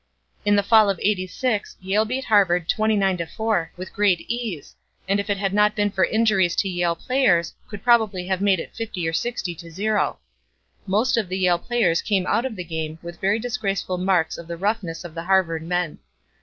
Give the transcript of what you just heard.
"In the fall of '86 Yale beat Harvard 29 to 4, with great ease, and if it had not been for injuries to Yale players, could probably have made it 50 or 60 to 0. Most of the Yale players came out of the game with very disgraceful marks of the roughness of the Harvard men.